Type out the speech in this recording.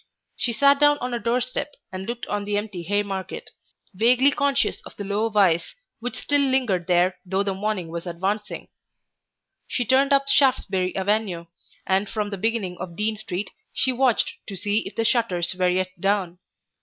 She sat down on a doorstep and looked on the empty Haymarket, vaguely conscious of the low vice which still lingered there though the morning was advancing. She turned up Shaftesbury Avenue, and from the beginning of Dean Street she watched to see if the shutters were yet down.